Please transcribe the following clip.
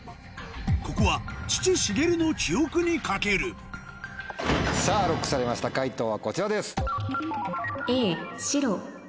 ここは父しげるの記憶に賭けるさぁＬＯＣＫされました解答はこちらです。